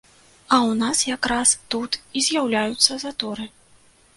А ў нас якраз тут і з'яўляюцца заторы.